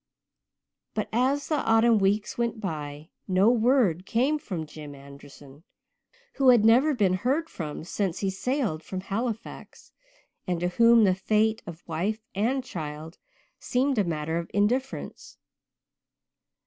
But as the autumn weeks went by no word came from Jim Anderson, who had never been heard from since he sailed from Halifax, and to whom the fate of wife and child seemed a matter of indifference.